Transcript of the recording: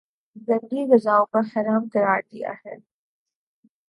گندی غذاؤں کو حرام قراردیا ہے